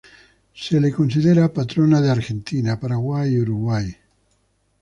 Se la considera patrona de Argentina, Paraguay, y Uruguay.